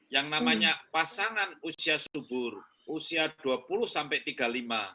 yang namanya pasangan usia subur usia dua puluh sampai tiga puluh lima